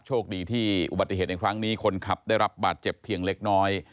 โชคดีที่อุบัติเหตุในครั้งนี้คนขับได้รับบาดเจ็บเพียงเล็กน้อย